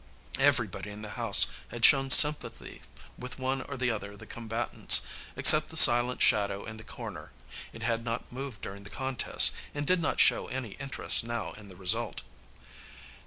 Everybody in the house had shown sympathy with one or the other of the combatants, except the silent shadow in the corner. It had not moved during the contest, and did not show any interest now in the result.